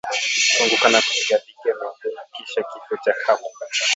Kuanguka na kupigapiga miguu kisha kifo cha ghafla